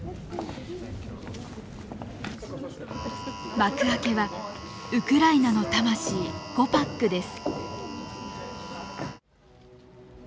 幕開けはウクライナの魂「ゴパック」です。